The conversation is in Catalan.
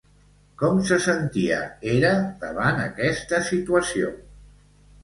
Com se sentia Hera davant aquesta situació?